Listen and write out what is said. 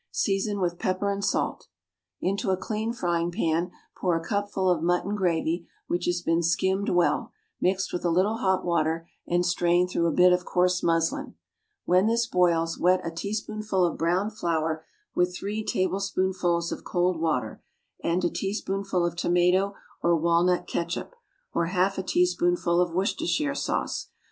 Season with pepper and salt. Into a clean frying pan, pour a cupful of mutton gravy which has been skimmed well, mixed with a little hot water and strained through a bit of coarse muslin. When this boils, wet a teaspoonful of browned flour with three tablespoonfuls of cold water, and a teaspoonful of tomato or walnut catsup, or half a teaspoonful of Worcestershire sauce.